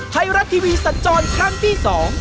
ไทยรัฐทีวีสันจรครั้งที่สอง